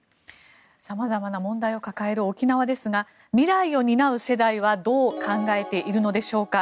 さまざまな問題を抱える沖縄ですが未来を担う世代はどう考えているのでしょうか。